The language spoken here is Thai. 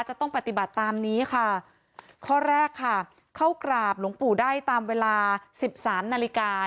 จะต้องปฏิบัติตามนี้ค่ะข้อแรกค่ะเข้ากราบหลวงปู่ได้ตามเวลาสิบสามนาฬิกา